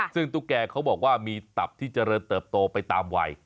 ซึ่งตุ๊กแกเขาบอกว่ามีตับที่เจริญเติบโตไปตามวัย